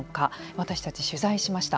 私たち取材しました。